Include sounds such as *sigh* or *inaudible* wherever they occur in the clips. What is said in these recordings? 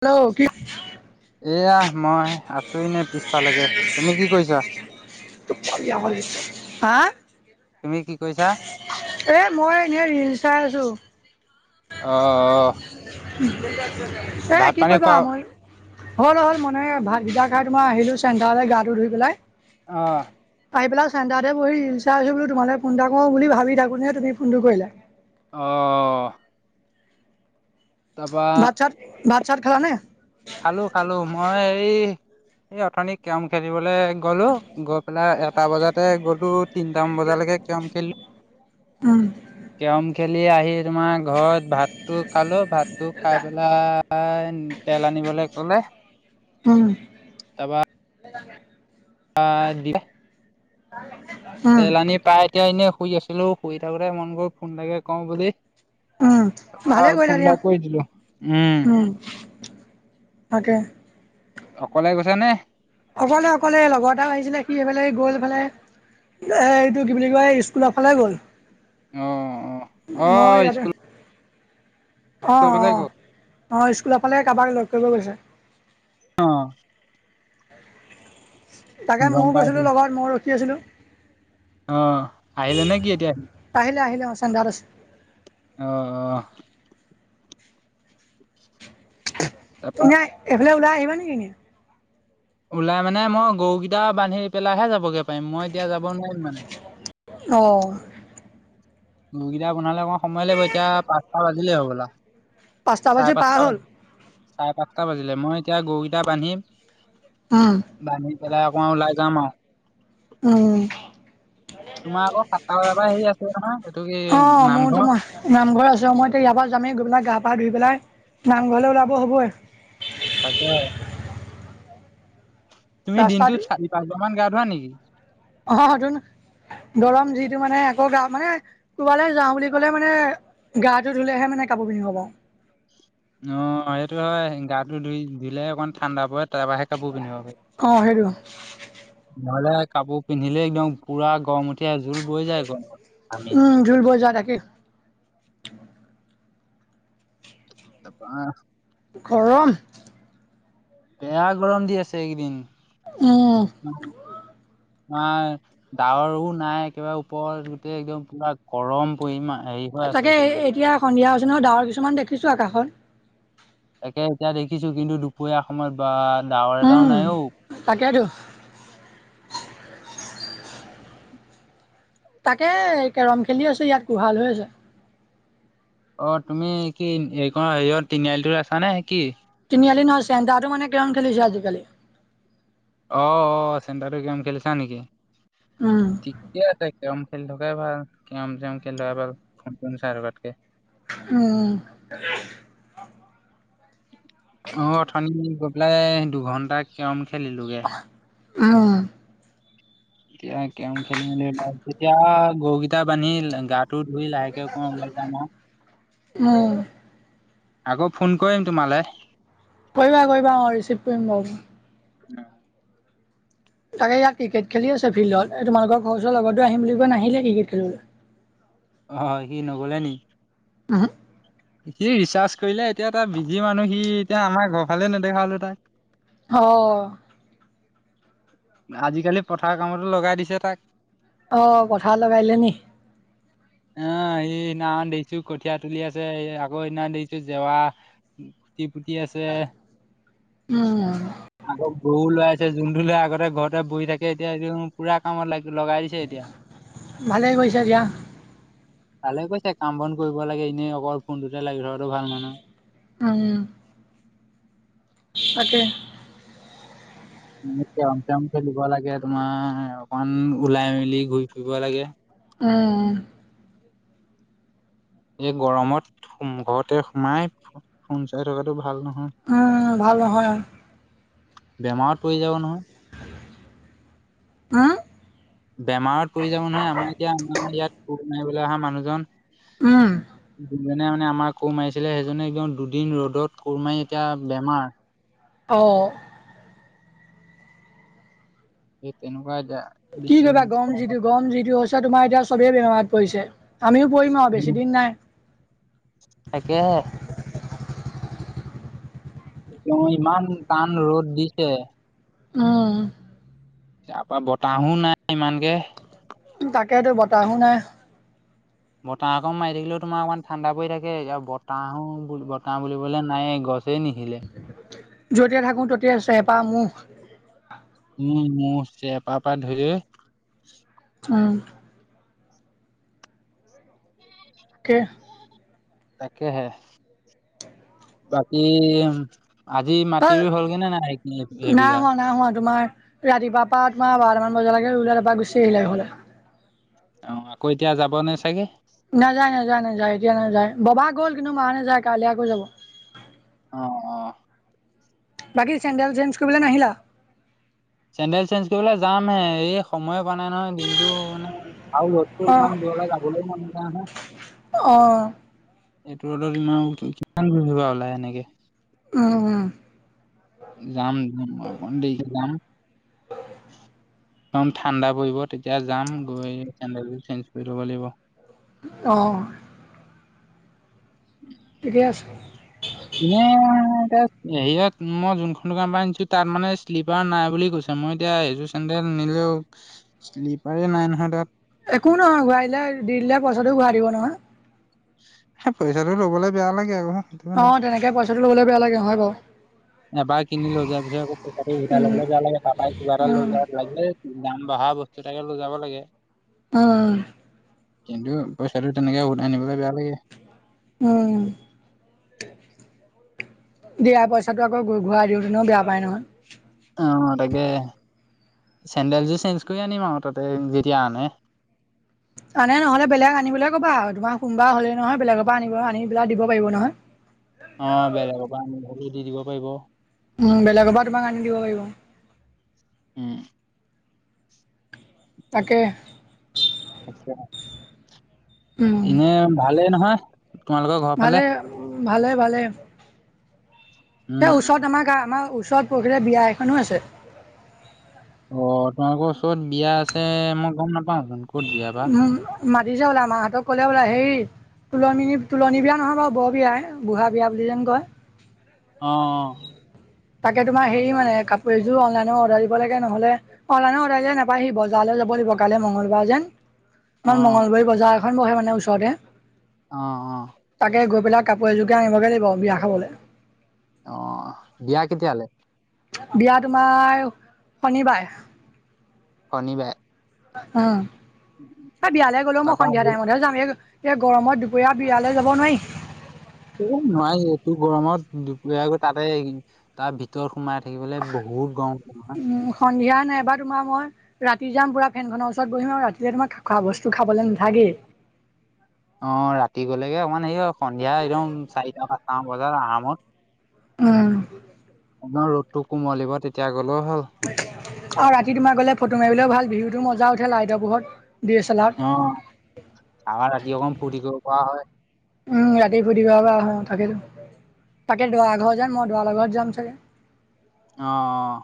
Hello কি এয়া মই আছো ইনে পিছফালেকে। তুমি কি কৰিছা? হা। তুমি কি কৰিছা এ মই এনেই ৰিল চাই আছো। অহ, অহ। এ কি কৰিবা মই হ'ল মানে ভাতকেইটা খাই তোমাৰ আহিলো চেণ্টাৰলৈ গাটো ধুই পেলাই। অহ। পাই পেলাই চেণ্টাৰত বহি ৰিলচ চাই আছো। তোমাৰলে ফ'ন এটা কৰো বুলি ভাবি থাকোতে তুমি ফ'নটো কৰিলা। অহ। তাৰপৰা। ভাত চাত ভাত চাত খেলা নে? খালো, খালো। মই এই এই অথনি কেম খেলিবলে গ'লো। গৈ পেলাই এটা বজাতে গ'লো, তিনটামান বজালৈকে কেম খেলিলোঁ। উম কেৰম খে লি আহি তোমাৰ ঘৰত ভাতটো খালো। ভাতটো খাই পেলাই তেল আনিবলৈ ক'লে। উম। আ, দিলে অ। তেল আনি পাই এতিয়া এনেই শুই আছিলো। শুই থাকোতে মন গ'ল ফ'ন এটাকে কওঁ বুলি। উম ভালে আৰু কৰিলা দিয়া ফ'নডাল কৰি দিলো। উম। তাকে অকলে গৈছে নে? অকলে অকলে। লগৰ এটা আহিছিলে সি সেইফালে গ'লফালে। এ এইটো কি বুলি কয়, এই স্কুলৰ ফালে গ'ল। অ। অ অ মই ইয়াতে স্কুল অ, অ, গলে গল অ স্কুলৰ ফালে কাৰোবাক লগ কৰিব গৈছে। অ। তাকে গম ময়ো গৈছিলোঁ পাইছিলো লগত ময়ো ৰখি আছিলোঁ। অ আহিলে নে কি এতিয়া? আহিলে আহিলে চেণ্টাৰত আছে। অ, অ। তাৰপা এনেই এইফালে ওলাই আহিবা নেকি? ওলাই মানে মই গৰুকেইটা বান্ধি পেলাইহে যাবগে পাৰিম। মই এতিয়া যাব নোৱাৰিম মানে। অ। গৰুকেইটা বান্ধালে অকণমান সময় লাগিব। এতিয়া পাঁচটা বাজিলেই হ'বলা। পাঁচটা চাৰে বাজি পাৰ হ'ল। বাজিলে চাৰে পাঁচটা বাজিলে। মই এতিয়া গৰুকেইটা বান্ধিম। উম বান্ধি পেলাই অকমান ওলাই যাম আৰু। তোমাৰ আকৌ সাতটা বজাৰ পৰা হেৰি আছে নহয় এইটো কি অ, মোৰতো নামঘৰ ম নামঘৰ আছে। মই এতিয়া ইয়াৰ পৰা যামেই গৈ। আপোনাৰ গা পা ধুই পেলাই নামঘৰলৈ ওলাব হ'বই। তাকে। তুমি দিনটোত চাৰি পাঁচ বা মান গা ধোৱা নেকি। অহ দৰম যিটো মানে আকৌ গা মানে ক'বালৈ যাওঁ বুলি ক'লে মানে গাটো ধুলেহে মানে কাপ পি হবা অ সেইটো হয় গাটো ধুই ধুইলেে অকমান ঠাণ্ডা পোৱত তাৰপাহে কাপোৰ পিন্ধিবগৈ অঁ সেইটো নহলে কাপোৰ পিন্ধিলে একদম পুৰা গৰম উঠিয় জোল বৈ যায় গৰম আমি ক অ গৰম বেয়া গৰম দি আছে এইকেইদিন আহ আাৰ ডাৱৰও নাই একেবাৰে ওপৰত গোটেই একদম পুৰা গৰম পৰিমামান তাকে এতিয়া সন্ধিয়া হৈছে নহয় ডাৱৰ কিছুমান দেখিছো আকাশত তাকে এতিয়া দেখিছো কিন্তু দুপৰীয়া অসমত বা ডাৱৰ এটাও উম, নাই অঔ তাকেতো তাকে কেৰম খেলি আছে ইয়াত গোহাল হৈ আছে অ তুমি কি এই ক হেৰিয়ত তিনিআলিটোৰ আছা নে কি? তিনিআলি নহয় চ তো মানে কিমান খেলিছে আজিকালি অ অ চেণ্টাৰত গেম খেলিছা নেকি উম, ঠিকে আছে কেম খেলি থকাই ভাল কেমম খেলি থকা ভাল ফোন ফোন চাই তাতকে উম অ অথনিত গৈ পেলাই দুঘন্টা কম খেলিলোগে অ এতিয়া কেম খেলি মেলি তেতিয়া গৰুকেইটা বান্ধি গাটো ধুই লাহেকে অ ৱেল উম। আকৌ ফোন কৰিম তোমালৈ কৰিবা কৰিবা অ ৰিচিভ কৰিম বাৰ উ তাকে ইয় ক্ৰিকেট খেলি আছে ফিল্ডত তোমালোকৰ ঘৰ চৰ লগৰতে আহি বুলি কৈ নাহিলে ক্ৰিকেট খেলিবলৈ অ সি নগলে নি আহ ৰিচাৰ্জ কৰিলে এতিয়া তটা বিজি মানুহ সি এতিয়া আমাৰ ঘৰ ফালে নেদেখা হলো তাই অ আজিকালি পথাৰ কামতো লগাই দিছে তাক অ পঠাৰ লগাইলেে নি আহ স সিদিনাখন দেখিছো কঠীয়া তুলি আছে আকৌ সেইদিনা দেখিছো জেৱা ফুটি ফুতিি আছে উম, আগৌ গৌ লাই আছে জোোন ধুল আগতে ঘৰতে বহি থাকি এতিয়া পুৰা কামত লাগ লগাই দিছে এতিয়া ভালেই গৈছে দিয়া ভালে কৈছে কাম বন কৰিব লাগে এনেই অকল ফোনটোতে লাগে ধৰাো ভাল মানুহ আহম তাকে ে অ অখে দিব লাগে তোমাৰ অকমান ওলাই মেলি ঘূৰি ফুৰিব লাগে অঁ এই গৰমত ঘৰতে সোমাই সু চাই থকাাতটো ভাল নহয় উম ভালো হয় বেমাৰত পৰি যাব নহয় হা বেমাৰত পৰি যাব নহয় আমাৰ এতিয়া আমমাৰ ইয়াত মাৰিবলৈ অহা মানুহজন উম দুজনে মানে আমাৰ কোৰ মাৰিছিলে সেইজনে একদম দুদিন ৰ'দত কোৰ মাৰি এতিয়া বেমাৰ অ এই তেনুৱ য কি কৰিবা গৰম যিটো গৰম যিটো হৈছে তোমাৰ এতিয়া চবেই বেমাৰত পৰিছে আমিও পঢ়িম আৰু বেছি দিন নাই তাকেহে তেওঁ ইমান কাণ ৰ'দ দিছে অম তাৰপৰা বতাহো নাই ইমানকে তাকেইেতো বতাহ নাই বতাহ অকৌ মাৰি থাকিলেও তোমাৰ অকণমান ঠাণ্ডা পৰি থাকে বতাহো বতাহ বুলিবলে নাই বচ নিশিলে যতিাই থাকো তেতিয়া চেপাহ মুখ উম মোৰ চেপা পা ধুই উ ক তাকেহে বাকী আজি তাৰ মাটিৰ হ'লগে নে নাই সবিঘা ৰাতিপুৱা পৰা মাৰ বাৰামান বজালৈকে ওলাই তাৰপা গুচি আহিলে সলে অ আকৌ এতিয়া যাব নে চাগে নাযায় নাযায় নাযায় এতিয়া নাযায় ববা গ'ল কিন্তু মাহ নাযায় কাইলৈ আকৌ যাব অ অ বাকী চেণ্ডেল চেঞ্জ কৰিবলে নাহিলা চেডেল চেঞ্জ কৰিবলৈ যাম হে এই সময় নাই নহয় দিনটো মানে আৰু লগক অ ইমান দূৰলৈ গাবলৈ মন নযায় নহয় অ এইটো ৰডত ইমান কিমান বুজা ওলায় এনেকে আহ আহ যাম যাম দেক যাম একম ঠাণ্ডা পৰিব তেতিয়া যাম গৈ চেডেলটো চেঞ্জ কৰি ল'ব লাগিব আহ আছে ন হেৰিয়ত মই যোনখন দোকান পৰা আনিছো তাত মানে শ্লিপাৰ নাই বুলি কৈছে মই এতিয়া এইযোৰ চেন্দেল নিলেও শ্লিপাৰে নাই নহয় তাত। একো নহয় ঘূৰাই দিলে দি দিলে পাছত ঘোৰাই দিব নহয়। সে ইচাটো ল'বলে বেয়া লাগে আৰু। অ', তেনেকে পইচাটো লবলে বেয়া লাগে হয় বাৰু। এবাৰ কিনি লৈ যোৱাৰ পিছত আকৌ পইচাতো উভটাই উম লবলৈ যোৱা লাগে পাপাই কিবা এ উম লৈ যোৱাৰ লাগিলে দাম বঢ়া বস্তু তাকে লৈ যাব লাগে। অ'। কিন্তু পইচাটো তেনেকে উভতাই আনিবলৈ বেয়া লাগে। উম। দিয়া পইচাটো আকৌ ঘূৰাই দিওঁতেনেও বেয়া পাই নহয়। অ তাকে চেণ্ডেলযোৰ চেঞ্জ কৰি আনিম আৰু তাতে যদি আনে। আনে নহ'লে বেলেগ আনিবলৈ ক'বা তোমাৰ কোনোবা হ'লেই নহয় বেলেগৰ পৰা আনিব আনিবেলাক দিব পাৰিব নহয়। অ', বেলেগৰ পৰা আমি মেলি দি দিব পাৰিব। উম, বেলেগৰ পৰা তোমাক আনি দিব পাৰিব। উম। তাকে *inaudible* *unintelligible* উম এনে ভালেই নহয়, তোমালোকৰ ঘৰ ফালে? ভালে ভালে ভালে। সেই উম, ওচৰত আমাৰ গা আমাৰ ওচৰত পৰশিলে বিয়া এখনো আছে। অ' তোমালোকৰ ওচৰত বিয়া আছে মই গম নাপাওঁচোন ক'ত বিয়া বা? উম মাতিছে বোলে মাহঁতক ক'লে বোলে হেই তোলনি তোলনী বিয়া নহয় বাৰু বৰ বিয়াই, বুঢ়া বিয়া বুলি যেন কয়। অ', তাকে তোমাৰ হেৰি মানে কাপোৰ এযোৰ অনলাইনত অৰ্ডাৰ দিব লাগে নহলে অনলাইনত অৰ্ডাৰ দিলে নাপায়হি, বজাৰ যাব লাগিব কাইলৈ মঙ্গলবাৰ যেন, আমাৰ অ', মঙ্গলবৰী বজাৰ এখন বহে মানে ওচৰতে। অ', অ'। বিলাক কাপোৰ এযোৰোকে আনিবগৈ লাগিব আও বিয়া খাবলে। অ', বিয়া কেতিয়ালে? বিয়া তোমাৰ, শনিবাৰে। শনিবাৰে। অ', এ বিয়ালৈ গ'লেও মই তাৰপা সন্ধিয়া এ টাইমতহে যাম এ এতিয়া গৰমত দুপৰীয়া বিয়ালৈ যাব নোৱাৰি। এই নোৱাৰি এইটো গৰমত দুপৰীয়া গৈ তাতে এই তাৰ ভিতৰত সোমাই থাকিবলৈ বহুত গৰম *unintelligible* নাই এবাৰ তোমাৰ মই ৰাতি যাম পুৰা ফেনখনৰ ওচৰত বহিম আৰু ৰাতিলে তোমাৰ খোৱা বস্তু খাবলৈ নাথাকেই। *unintelligible* অ', ৰাতি গলেগে অকমান হেই সন্ধিয়া একদম চাৰিটা পাঁচটামান বজাত আৰামত উম। অকনমান ৰ'দতটো কোমলিব তেতিয়া গ'লেও হ'ল। আৰু ৰাতি তোমাৰ গলে ফটো মাৰবিলৈও ভাল ভিওটো মজা উঠে লাইটৰ পোহৰত। ডি এছ এল আৰত অ', তাপা ৰাতি অকমান ফূৰ্তি কৰিব পৰা হয়। উম, ৰাতি ফূৰ্তি কৰিব পৰা হয়, তাকেতো। তাকে দৰা ঘৰ যেন মই দৰা লগত যাম চাগে। অ', অ'।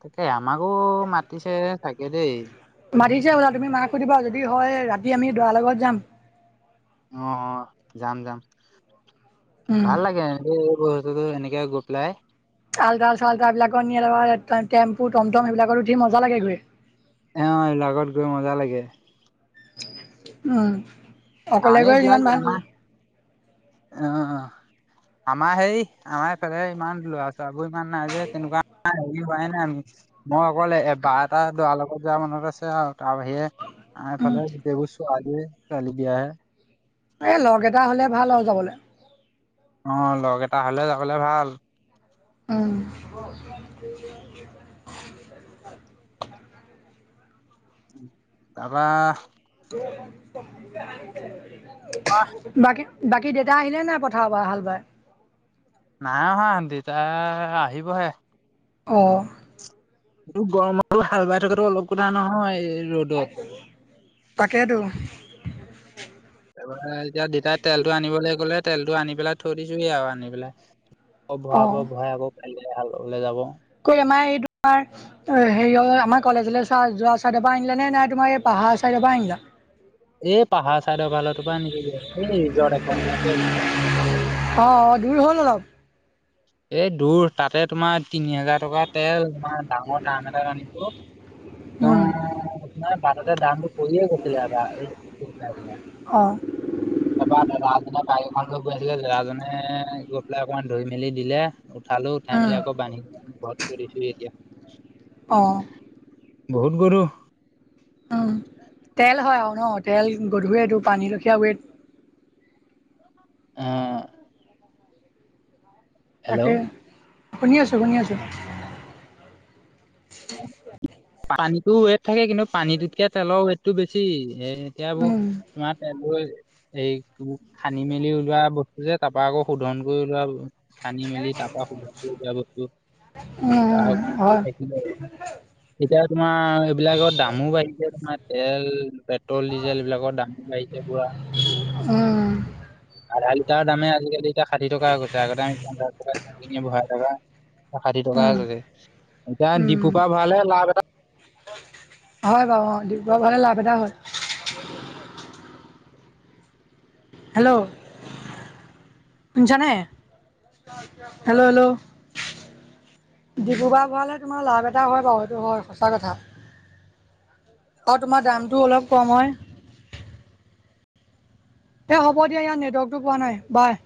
তাকে আমাকো মাতিছে চাগে দেই। মাতিছো হ'বলা তুমি মাক সুধিবা যদি হয় ৰাতি আমি দৰা লগত যাম। অ', অ', যাম যাম। উম ভাল লাগে এ গৈ গৈ এনেকে গৈ পেলাই। আলট্ৰা চালট্ৰাবিলাকতকা তোমাৰ টেম্পু টমটম এইবিলাকত উঠি মজা লাগে গৈ। অ এইবোৰ আগত গৈ মজা লাগে উম অকলে আমি গৈ এইবিলাক যিমান ভাল আমাৰ অ আমাৰ সেই আমাৰফাল ইমান লৰা ছোৱাল ইমান নাই যে তেনেকুৱা নাই কি হয়াই নাই মই অকল এবাৰ এটা দৰা লগত যোৱা মনত আছে আৰু তাৰ বাহিৰে উম আহফালে বগুচছু আজি কালি বিিয় আহে এ লগ এটা হ'লে ভাল হ যাবলৈ অ লগ এটা হলে যাবলে ভাল আহ তাৰপৰা বাকী বাকী দেউতা আহিলে নাই পঠাৰব হাল বাই নাই অহা দেতা আহিবহে অঁ এইটো গৰমতো হাল বাই থকাাতটো অলপ কথা নহয় ৰ'দত। তাকেইেতো এতিয়া দেতাই তেলটো আনিবলৈ গ'লে তেলটো আনি পেলাই থৈ দিছোে আৰু আনি পেলাই ক ভৰা ব ভৰাাই আকৌ কাইলোললে যাব ক আমাৰ এই তোমাৰ হেৰি আমাৰ কলেজলৈ চোৱা যোৱা চাই পৰা আনিলে নে নাই তোমাৰ এই পাহ হাঁ আ চাৰ যবাইন্দা এই পাহাৰ চাইডৰ ফালতো পৰা নেকি অ অ দৰি হ'ল নলপ এই দূৰ তাতে তোমাৰ তিনি হোজাৰ টকা তেল তমাৰ ডাঙৰ দাম এটা আনিছো একদম আনাৰ বাৰতে দামটো কৰিয়ে গৈছিলে আবাৰ হয় তব ৰা ন গীখন লৈ গৈ আছিলে লেৰাজনে গৈ পেলাই অকমান ধুই মেলি দিলে উঠালো উঠাই মেলি আকৌ বান্ধি ঘৰত কৰিছো এতিয়া অঁ বহুত গৰু তেল হয় আৰু ন তেল গধুৱেটো পানীলখীয়া ৱেট উম তাকে শুনি আছো শুনি আছো পানীতো ৱেট থাকে কিন্তু পানীটোতকে তেলৰ ৱেটটো বেছি এই এতিয়া বোৰ উম, তোমাৰ তেলবোৰ এই খানদি মেলি ওলোৱা বস্তু যে তাৰাপা আকৌ শোধন কৰি ললোৱা খান্দি মেলি তাৰ পৰা সুবি দিয়া বস্তু উম, তাৰ উম, থাকিলে *inaudible* এতিয়া তোমাৰ এইবিলাকৰ দামো বাঢ়িছে তোমাৰ তেল পেট্ৰল ডিজেল এইবলাকৰ দাম বাঢ়িছে পুৰা উম, আধ তাৰ দামে আজিকালি এতিয়া ষাঠি টকা গৈছে আগতে আমি পঞ্চাছ টকািনি বঢ়াই টকা এ ষাঠি টকা উম, গৈছে এতিয়া উম। ডিপুপা ভালহে লাভ এটা হয় বাৰু অ বৰ ভালে লাভ এদায় হয় হেল্ল' জানে হেল্ল' হেল্ল' ডিব্ৰুগড় ভৰাালৈ তোমাৰ লাভ এটা হয় বাৰু এইেইটো হয় সঁচা কথা অ তোমাৰ দামটো অলপ কম হয় এ হ'ব দিয়া ইয়াত নেটৱৰ্কটো পোৱা নাই বাই